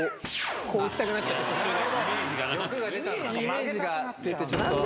こういきたくなっちゃって途中で。